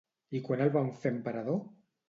I quan el van fer emperador?